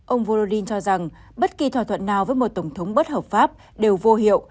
ông vorodin cho rằng bất kỳ thỏa thuận nào với một tổng thống bất hợp pháp đều vô hiệu